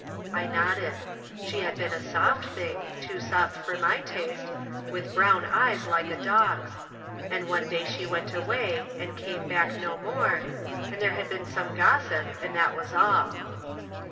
I nodded. She had been a soft thing — too soft for my taste — ^with brown eyes like a dog's. And one day she went away and came back no more, and there had been some gossip, and that was all.